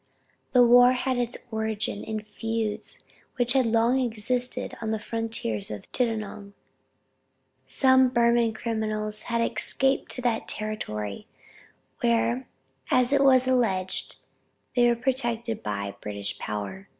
The war had its origin in feuds which had long existed on the frontiers of Chittagong." Some Burman criminals had escaped to that territory, where as it was alleged they were protected by British power.